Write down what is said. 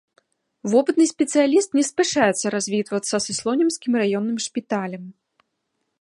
Вопытны спецыяліст не спяшаецца развітвацца са слонімскім раённым шпіталем.